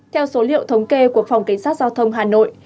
theo số liệu thống kê của phòng cảnh sát giao thông hà nội